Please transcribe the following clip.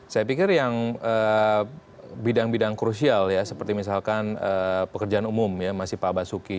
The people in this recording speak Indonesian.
saya pikir yang bidang bidang krusial ya seperti misalkan pekerjaan umum ya masih pak basuki